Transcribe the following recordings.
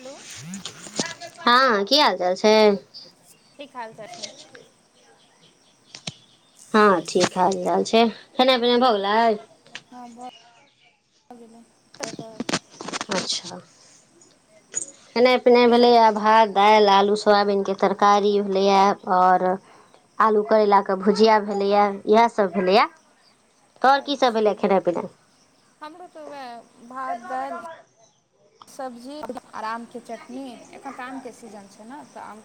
Hello हँ की हाल चाल छै? ठीक हाल चाल छै। हँ ठीक हाल चाल छै। खेनाइ पिनाइ आर भऽ गेलै हॅं भ गेलै, एइ पर अच्छा खेनाइ पिनाइ की सब भेलैए भात दालि, आलू सोयाबीनके तरकारी भेलैए और आलू करैलाके भुजिया भेलैए इहै सभ भेलैए। तोहर की सब अच्छा भेलै खेनाइ पिनाइ हमरो तऽ वैह भात, दालि सब्जी आर आम के चटनी एखन तऽ आम के सीजन छै न तऽ आम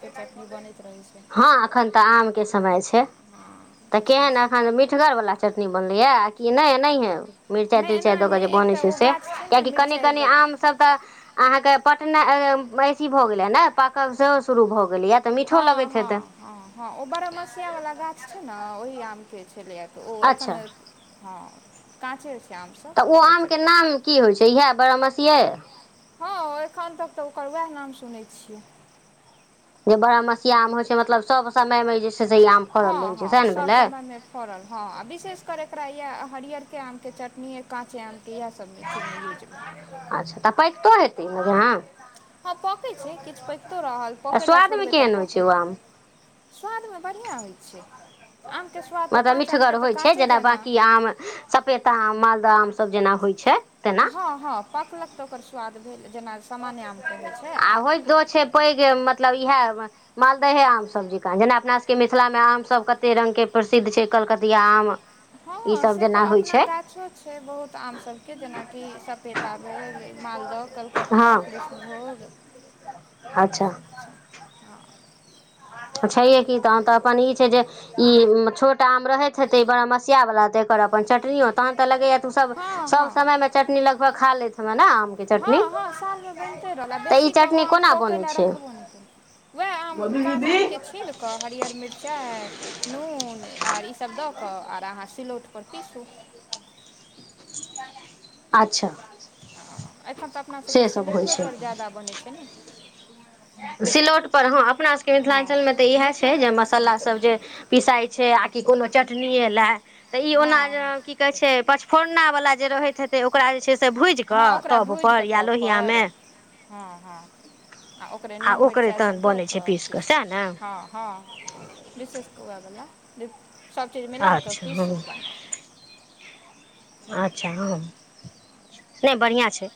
हॅं एखन तऽ आम के समय छै हँ तऽ से केहन छै एखन मिठगरवला चटनी बनलैए कि नहि नहिथं मिरचाई नहि तिरचाई दऽ केऽ एनाहे जे बनै एकटा छै ओ से गाछ छै ने कियाकि कनि मिरचाइ कनि आम ई सब त अहाँके पटनाइ अथीं भऽ गेलइ यैने पाकब सेहो शुरु भ गेलइ। हँ हँ हँ हँ ओ बरमसिया वला गाछ छै न ओहि आम के छलैयै तऽ ओ एखन अच्छा हँ काँचे छै। तऽ आमसभ ओ ओकरे आमके चटनी नाम की होइ छै इएह बारामसिये? हँ एखन तक तऽ ओकर वैह नाम सुनै छियै। जे बारहमसिया आम होइ छै मतलब सब समय मे जे छै से ई आम फड़ल हँ रहै छै हँ सैह ने सभ भेलै। समयमे फड़ल हँ आ विशेषकर एकरा यैह हरियरके आमके चटनी या काँचे आमके यैह सब में चीजमे यूज भेल। अच्छा तऽ पैकतो हेतै ने [unintelligible] हँ पकै छै किछ पकितो रहल आ पकै लै स्वादमे छोड़बै तऽ केहन होइ छै ओ पकत। आम स्वादमे बढ़ियां होइ छै। आमके स्वाद तऽ मतलब काँच आमके मिठगर तऽ होइ छै काँचे जेना बाँकी आम सपेता आम मालदह आम सब जेना होइ छै तेन। हँ हँ पकलक तऽ ओकर स्वाद भेल जेना सामान्य आमके होइ छै आ आर होइतो छै पैघ मतलब इहै। मालदहे आम सब जेंका जेना अपना सभके मिथिलामे आमसभ कते रङ्गके प्रसिद्ध छै कलकतिया आम हँ ई हँ सब से तऽ जेना होइ अपना छै गाछो छै बहुत आम सबके जेनाकि सपेता भेल मालदह, कल हँ ईसभ आच्छा सभ छै छैहे की तहन तऽ अपन ई छै जे ई छोट आम रहैत हेतै बारमसिया बला ते एकर अपन चटनियो तहन त लगैयै तू सब हँ हँ सब हँ समयमे चटनी लगभग खा लैत हेबैं ने के हँ चटनी हँ सालमे बनिते रहल आ तऽ ई बेसीेक ओ चटनी आम कोना पकै बनै लै छै रखबौ नहि वैह आम काॅंच आम के छील त हरियर मिरचाइ नून आर ईसभ दऽ कऽ आर अहाँ सिलौट पर पीसू। अच्छा ह एखन तऽ अपना से सभके सब होइ छै सिलौटेपर ज्यादा बनै छै ने। सिलौटपर हँ अपना सबके हँ मिथिलांचलमे तऽ इहै छै मिथिलामे जे तऽ से होइ छै मसल्लासभ जे हँ पिसाइ छै आ कि कोनो चटनिए लै तऽ ई ओना जे हँ की कहै छै पंचफोरना वला जे रहैत हेतै से ओकरा जे छै से हँ भुजिकऽ हँ ओकरा तब भूजि कऽ पर या लोहियामे तबपर हँ हँ आ ओकरे नून ओकरे तहन मिरचाइसभ दऽ बनै छै कऽ पीस पीसू सएह ने हँ हँ। विशेष कऽ वै बला जे सबचीज मिलाकऽ अच्छा हँ पीसू बनाउ अच्छा हँ नहि बढ़िआँ छै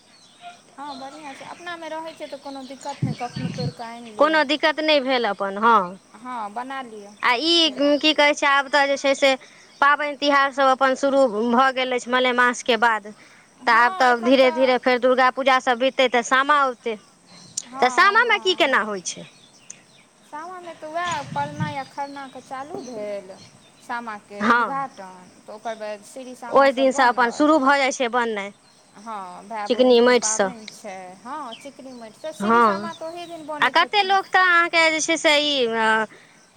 हँ बढ़िया छै अपना मे रहै छै तऽ कोनो दिक्कत नहि कखनो तोड़ि कऽ आनि लिअ कोनो दिक्कत नहि भेल अपन हँ बना लिय किग की कहै छै आब तऽ जे छै से पाबनि-तिहार सब अपन शुरू भऽ गेल अछि मलेमासके बाद तऽ हँ आब तऽ एखन धीरे-धीरे फेर दुर्गा पूजा सब बीततै तऽ सामा औतै हँ तऽ सामामे हँ की केना हँ होए छै सामामे तऽ वै परना या खरना कऽ चालू भेल सामा के हँ उद्घाटन तऽ ओकर बाद श्रीसामा ओहि सब दिनसँ अपन बनल शुरू भऽ जाइ छै बननाइ हँ भाय चिकनी बहिनके माटिसँ पाबनि छै हँ चिकनी मइट से श्रीसामा तऽ ओही दिन बनैत छथिन कते लोक तऽ अहाँके जे छै से ई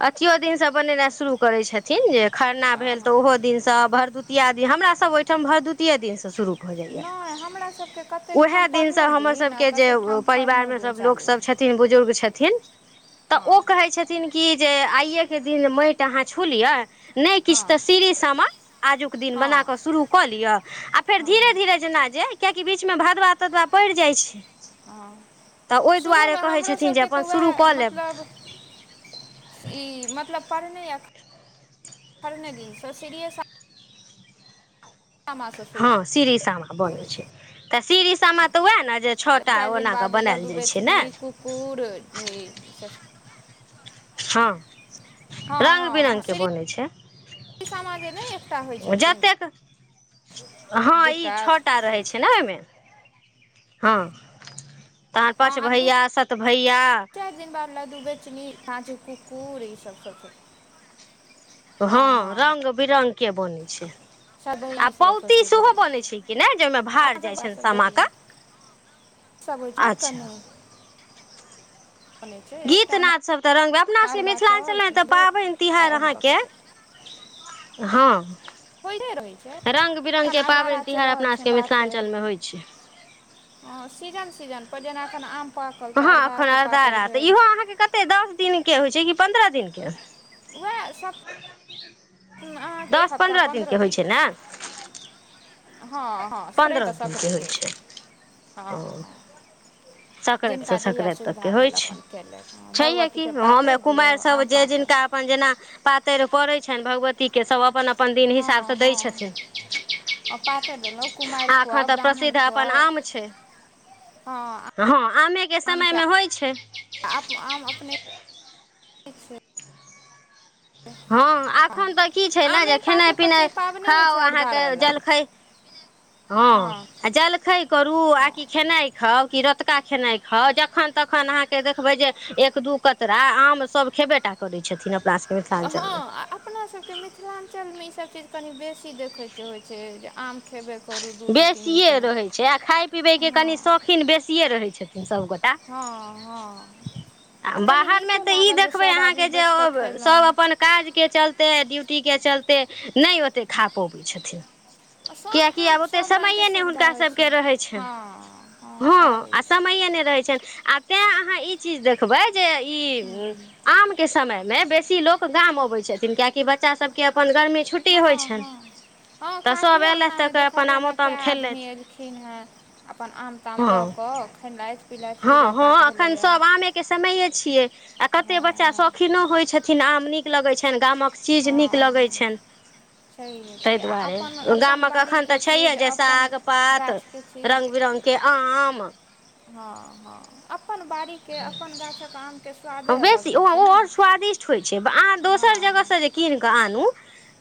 अथियो दिन से बनेनाइ शुरू करै छथिन जे खरना भेल तऽ हँ ओहो दिनसँ भरदुतिआ दिन स हमरासब ओहिठाम भरदुतिये दिनसँ शुरू भऽ जाए यै नहि हमरासभके कतेक ठाम ओहे दिन परनो सऽ हमर दिन सब आ के जे कतेक ठाम परिवार खरनो में दिन सब लोक चालू सब छ थिन बुजुर्ग छथिन तऽ हँ ओ कहय छथ थिन की जे आइयै के दिन मईट अहाँ छू लिय। नहि किछ हँ तऽ श्रीसामा आजुक दिन बना हँ कऽ शुरू कऽ लिअ आ फेर हँ धीरे-धीरे जेना जे कियेकि बीच मे भादवा-तदवा पड़ि जाइ छै हँ तऽ ओहि दुआरे शुरूमे कहै हमरो छथिन जे सबके अपन तऽ वै शुरू कऽ लेब मतलब ई मतलब परने या खरने दिनसँ श्रीरिये सा हँ शुरू श्रीसामा बनै होइ छै छथिन तऽ श्रीसामा तऽ वै ने जे छ आ चारि दिन बाद ई लड्डू बेचनी कुकुर में स हँ रंग-बिरंगके बनै छै ई सामाजे नहि एकटा होए छथिन जतेक हँ ई दूटा छ टा रहै से छै कैले ओहिमे हऽ पांच हँ पाँच आ दू भैया सत भैया चारि दिन बाद लड्डू बैचनी चिनी पांचो कुकुर ई सब सब छै हँ रंग-बिरंगके बनै छै सभ यहाँ आ सभ सभ पउती चीज सेहो बन बनै छै कि नहि जाहिमे अपना भार जाई छनि सामा के सब ओहिठने अच्छा कनी गीत नादसब तऽ रंग-बि अपना सबके अरबा चाउर मिथिलांचलमे तऽ नेबो पाबनि आ तिहार एना कऽ अहाँके कऽ हँ होइतै रहै छै रंग बिरंग एखेन के अरदारा पाबनि चलि तिहार रहल अपना छैन सबके पातैर मिथिलाञ्चल मे होइ छै हँ सीजन-सीजनपर जेना एखन आम पाकल तऽ अरदाके पातरि भेल कतै दस दिन के होए छै कि पन्द्रह दिन के वैह स अहाँके एक दस हफ्ता पन्द्रह पन्द्र के होइ दिन छै ने हँ हँ सकरैत पन्द्रह तऽ दिनके सकरैत होए भेल छै हँ ओ हँ संक्रांति से जिनका जहिया संक्रांति तक के सुविधा होए भेल छै अपन केलथि हँ छइहै की भगवतीके हमें पातरि में दियौ कुमारि सब आम जे पाकल जिनका अपन जेना पातरि परै छनि भगवती के सब अपन-अपन अपन दिन हँ हिसाबसँ दै हँ छथिन पातरि देलहुँ कुमारि आ अखन खुआउ तऽ ब्राह्मण प्रसिद्ध अपन खुआउ आम छै हँ आमेके समयमे होय छै आब आम अपने ठीक छै। हँ एखन तऽ की छै ने, आमे जे पाकय खेनाइ- पर तऽ ई पिनाइ पाबनि होइ छै खाउ अहाँके अरदारावला जलखै हँ आ जलखै करू आ कि खेनाइ खाउ कि र रोतका खेनाइ खाउ, जखन तखन अहाँके देखबै जे एक दू कतरा आम सब खेबे टा करै छथिन अपना सभके मि हँ आ अपना सबके मिथिलाञ्चलमे ई सब चीज कनि बेसी देखैके होइ छै, जे आम खेबे करू। दुनू तीनू बेसिये टाइम रहै छै, आ खााय- पीबे के कनि हँ शौखिन बेसिये रहे छथिन सबगोटा। हँ हँ आ कनि बाहर में नीको तऽ इ लागल जे देखबै सभ आहां आदमी के जे, बैसि कऽ सब खयलहुँ अपन काजके चलते, ड्यूटीके चलते, नहि ओते खा पऽबै छथिन। सब ठाम ओते समये ने हुनका सभके रहै छैन, सएह हँ होइ आ छै समय नहि रहै छैन। आ तैँ अहाँ ई चीज देखबै जे ई हूँ आम के समय मे बेसी लोग गाम अबे छथिन, क्याकि बच्चा सब के अपन गर्मी छुट्टी होइ हँ- छनि हँ- हँ तऽ सभ काकियो अगना अयलथि मे तऽ देख अपन आमो खलियैन कए ताम आदमी खेलथि एलखिन हेँ, अपन आम- ताम हँ लऽ कऽ खेेलथि हँ - हँ एखन सब आमके के समये छियै, आ कते हँ बच्चा हँ शौखिनो होइ छथिन, आम नीक लगै छनि गामक। चीज नीक हँ हँ लगैत छनि। छैहे ताहि छै आ दुआरे अपन अपन गामक एखन बाड़ीके तऽ छैहियै चीज जे, अपन साग- पात गाछके चीज रङ्ग बिरङ्ग के आम। हँ- हँ अपन बाड़ी के, अपन गाछक आम। बेसी ओ-ओ आओर स्वादिष्ट होइत छै, अहाँ हँ दोसर हँ जगहसँ जे कीन कऽ आनू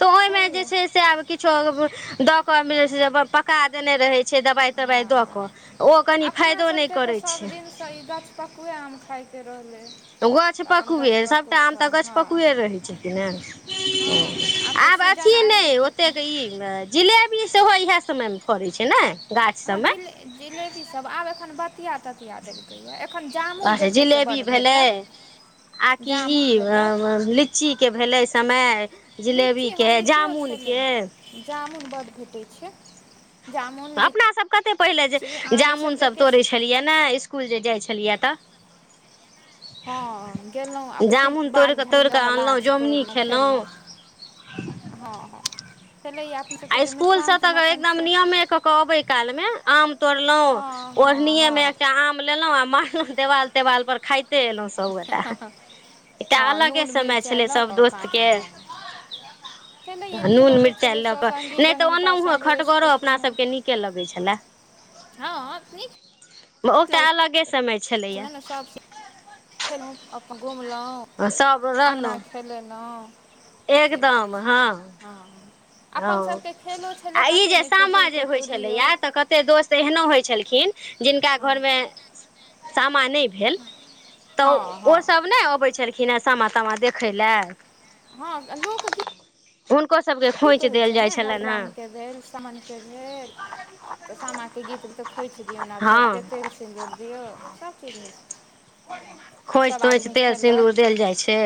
तऽ ओहिमे जे छैहे छै से आब, किछो दऽ कऽ पका देने रहै छै, दबाइ -तबाइ हँ दऽ हँ कऽ। ओ कनी अपना फायदो नहि सभके करैत सभ छै। दिनसँ तऽ ई गछ पकुए आम खााय के रहले गछ पकुए, सभटा आम तऽ गछ हँ पकुए रहै छै कि ने ओ, हँ तऽ आब अथि सीजन आबि ने गेलै तऽ ओतेक ई जिलेबी सेहो इएह समय में फड़ै छै ने? गाछ हँ सबमे जिले-जिलेबी सब, आब एखन बतिया -ततिया देल एखन जामुन अच्छा देखैके बड्ड जिलेबी भेलै भेटत, जामुन भेटत। लच्चीके भेलै समय, लीची जिलेबीके, हँ लीचियो छलै जामुनके। जामुन बड्ड भेटै छै। जामुन अपनासभ कते पहिले जे, लीची आम जामुन ईसभ तऽ सब एके तोड़ै सीजन छलियै नै। कुल जे जाइ छलियै तऽ। हँ गेलहुँ आब जामुन तोड़ि बाड़ी कऽ तोड़ि झाड़ीमे कऽ रहल अनलहुँ गाछ जोमुनी तोड़लहुँ खयेलहुँ। खेलहुँ ह हँ- हँ। छलैए आ अपनासभके जे इसकुलसँ तऽ मिथिलाञ्चलमे अपन एकदम छै नियमे कऽ के अबै काल में आम तोड़लों हँ हँ ओढ़नीे मे हँ एकटा आम लेलों, आ मारलहु देवाल तेवाल पर खाते एलहु। सभ गोटा एकटा हँ अलगे नून समय मिरचाइ छलै लऽ सभ कऽ काँच दोस्तके। आम बनै छलैए नीक नून लगैत मिर्चाई छलै लऽ सभ के सङ्गी नै तऽ बहिन पा ओनहुहे सङ्गे बैसि कऽ खटगरो अपना खेनाइ सभके नीके लगै छलए। हँ नीक ओ एटा अलगे समय छलैएा सब स फेनहुँ, अप्पन घुमलहुँ, सभ अङ्गना रहलहुँ खेलेलौंह एकदम, हाँ हं-हं अप्पन सबके खे आ, ई जे सामा जे होइ छलैया, तऽ कत्ते दोस्त एहनो होइ छलखिन जिनका हँ घरमे सामा नय भेल तऽ, हँ हँ ओ-ओसभ नय अबैत छल खिना सामा तामा देखैय लए। हं, लोक गी- हुनको सबके खोइं छैय ने, भगरामके भेल, समनके भेल तऽ सामा के गीत तऽ खोइंछ दिऔन आब सभ हँ केते? सिन्दूर दियौ, सब चीज होइ छै। आब खोंइच सभ -तोंइछ, आदमी तेल सिन्दूर खेलक देल जाइ छै,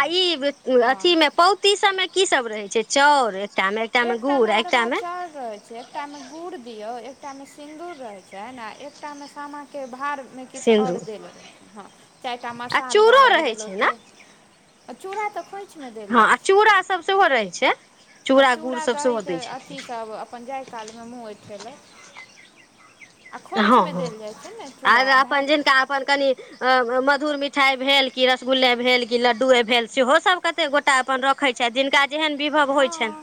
आ ई हँ अथी मे पौत्- ती सब मे की सब रहै छै, चाउर ए एकटा मेंअरवा चाउर रहय छै। एकटा मे गुड़ दियो, एकटा मे सिन्दूर रहय छैन आ एकटा मे सामा के भार मे किछु आओर सिन्दूर देल रहै, हं, चाइर टा आ मसाल चूड़ो गाड़ल रहै गेल छै ने ओतै। आ चूड़ा तऽ खोंइ- हाँ, आ चूड़ा सब सेहो रहै छै। हाँ, गुड़ चूड़ा सब सेहो दहीके दै अथि छथिन सभ अप्पन जाय कालमे मूँह ऐंठेलक। हं, हं -आगां आ अप्पन भाय जिनका अप्पन कनि मम-मधुर मिठाई भेल की, रसगुल्ले भेल की, लड्डुए भेल, सेहो सब कत्ते गोटा अपन रख खैय छैथ, जिनका जेहन विभव होइ छैन।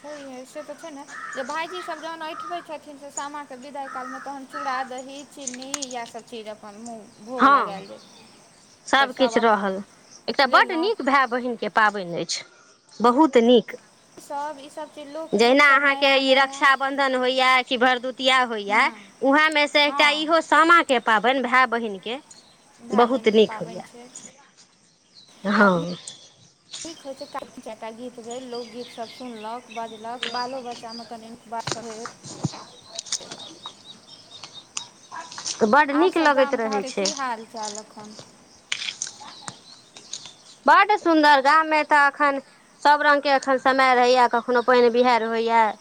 छैहे, सेतऽ छै ने? जे भाइजीसभ जहन एंठबैत छथिन से सामाके विदाइ कालमे तहन चूड़ा, दही, चीनी यैह सभ- चीर अप्पन मुंह। हं, सब सबकिछु रहल, अपन एकटा बड्ड लेलहुँ नीक भैऽए बहिनके पाबैन अइछ, बहुऽत नीक। सब ई सब जहिना अहाँके ई रक्षाबन्धन होइयै, कि भरदुतिआ होइयै हँ उहैएमे सँ एकटा हँ इहो सामाके पाबैन, भै-, बहिन के भाइ बहुत बहिनके नीक पाबनि होइयैऽ, छै हं ठीक होय छै, [unintelligible] टा गीत भेल, लोकगीत सब सुनलौं बजलक, बालो बच्चामे कनि नीक बात सभेल। तऽ बड्ड नीक आरसभ लगैत गाम रहै घारे छै की हाल -चाल एख्खन? बड्ड सुन्दर गाम मे तऽ एख्खन सभ रंग के एख्खन समय रहैयैऽ, कखनो पैइन- बिहाइड़ होइयैऽ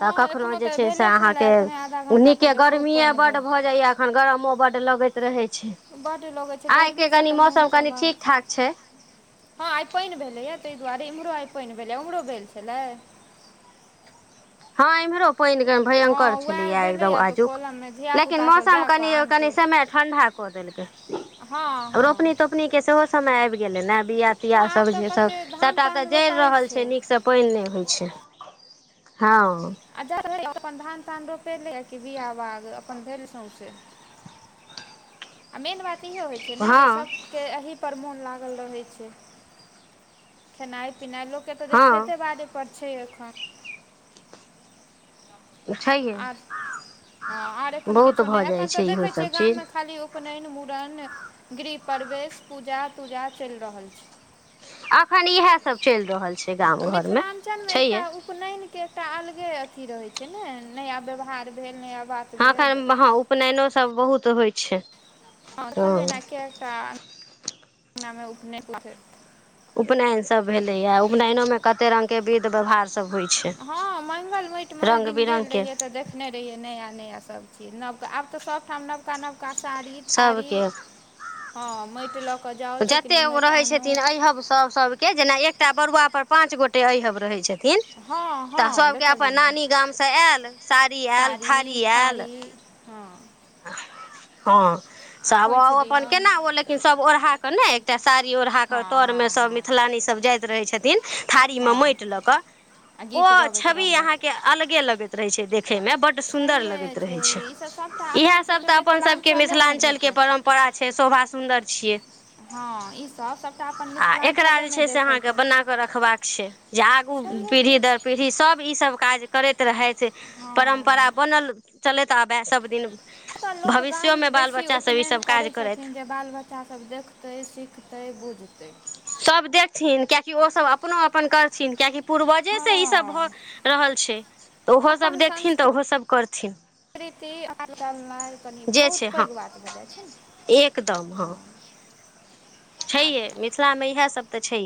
तऽ कखनो एखनो जे तऽ छै से भेले छलए अहाँके, एखने आधा घण्टा नीके पहिले खूब गर्मीए पानि बड्ड भेल भऽ जाइयैऽ एखन गरमो बड्ड लगैत रहै छै, बड्ड लगै छै आइके गर्मीसँ कनि तऽ मौसम कनि ठीक ठाक छै। हाँ, आइ पाइन भेलैए, तय दुआरे एम्हरो आइ पैइन भेलैयै, उम्हरो भेल छलै? हाँ, एम्हरो पैइन सम- हँ भयंकर उएह छलैयै एकदम्म भेलैए तऽ आजुक, कलममे लेकिन धियापुतासभ मौसम जा कऽ कनि, आम कनि समय ठंडा कदेलकय। हं-हं- पनी के सेहो समय आइब गेलय नैऽ, बिया तिया हँ आब सब तऽ जे सब कतेक धान सभटा तऽ तान जइर रोपाइ रहल छै, नीकसँ पानि नहि होइ छै। हाँ अच्छा से भेलै अपन धान तान रोपेले बिआ बाग अपन भेल सौंसे। आ मेन बात इ होइ छै ने जे हँ सब के एहि पर मोन लागल रहै छै, खेनाइ पिनाइ लोक केतऽ जे हँ खेते बाड़ी पर छै, एखन छैहे आर, हँ आर एखन बहुत किछो भऽ नहि जाइ एखन तऽ छै इहो देखै छियै सब गाम चीज मे खाली ओ उपनेन, मूड़न, गृहपवेश, पूजा- तूजा चैल रहल छै। अखन इहा सब चैल रहल छ। आ मिथलाञ्चल में एकटा उ उपनेन के एकटा अलगे अथी रहै छै ने, नया ब्यवहार भेल नया बात हँ, भेल अखन ब्-हँ उपनयनो सब बहुत होइ छै। हँ अँ-कलियने एकेटा नामे उपनेन ला छै। उपनयन सब भेलैया उपनयनोमें कते रंग के विध व्यवहार सभ होइ छै। हँ मंगलमैट मे ओहि रंग दिन गेल बिरंगके रहियै तऽदेख देखने रहियै नया नया सब चीज नवका आब तऽ सबठाम नबकानव कसारी थारी सबके हँ मैटलग जते ओ रहै छथिन अईहबसभ सभके जेना एक एकटा बरुआ पर पाँच गोटे अईहब रहैछथि। थिन हँ तऽ हँ सभके अपन देखलियै ने। नानी गामसँ ऐल साड़ी ऐल साड़ी थारी ऐल। थारी हँ हँ आ सावो खोइछ ओ अपन दियौन केना ओ लेकिन सब ओढ़ा तं नै एकटा साड़ी ओढ़ा के हँ तर में हँ सब हँ मिथिलानी सब जाइत रहै छथिन थारीम हँ मैट लऽ कअ आ ओ गीत गबैत छवि अहाँ के रहलथि अलगे लगैत रहे छै देखे मे बड सुंदर छैहे लगैत रहे छै। ईसभ सभटा इहे सब अपनासभके तऽ मिथिलाञ्चलेमे अपनसबकेमिथिलांचलके भेटत परम्परा छै शोभा सुंदर छियै। हँ ईसभ सभटा अपन आ एकरा जे मिथिलाञ्चलेमे छै से देखै अहाँके के बना रखबाक छै जे आगू पिढ़ी दर पिढ़ी सब ई सब काज करैत रहथि। परम्परा हँ बनल चलैत आबय सब दिन। तऽ लोक गाम बेसी उपनयन ईसभ करै काज करथि छथिन जे बाल बच्चा सब देखतै, सिखतै, बुझतै। सब देखथिन कियाकि ओसभ अपनो अपन करथिन कियाकि पूर्वजेसँ ई सब भऽ हँ रहल छै तऽ ओहो सब देखथिन तऽ ओहो सब करथिन। संकृति अपन [unintelligible] नाइ कनि जे बहुत छै हँ पैघ बात भऽ जाइ छै ने। एकदम हँ। छैहे मिथिला मे इएह सब तऽछै।